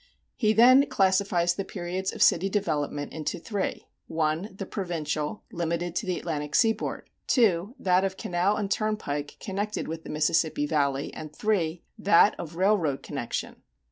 He, then, classifies the periods of city development into three: (1) the provincial, limited to the Atlantic seaboard; (2) that of canal and turnpike connected with the Mississippi Valley; and (3) that of railroad connection.